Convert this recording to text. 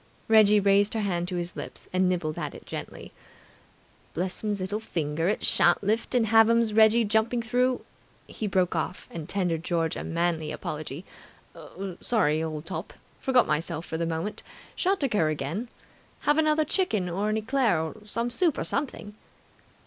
Reggie raised her hand to his lips, and nibbled at it gently. "Blessums 'ittle finger! It shall lift it and have 'ums Reggie jumping through. ..." He broke off and tendered George a manly apology. "Sorry, old top! Forgot myself for the moment. Shan't occur again! Have another chicken or an eclair or some soup or something!"